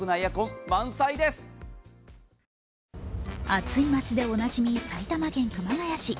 暑い町でおなじみ、埼玉県熊谷市。